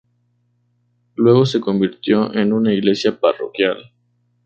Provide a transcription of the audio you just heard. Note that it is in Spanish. Luego se convirtió en una iglesia parroquial.